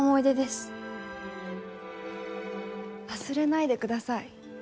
忘れないでください